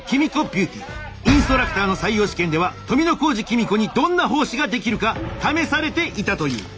インストラクターの採用試験では富小路公子にどんな奉仕ができるか試されていたという。